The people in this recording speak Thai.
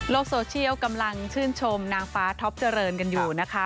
โซเชียลกำลังชื่นชมนางฟ้าท็อปเจริญกันอยู่นะคะ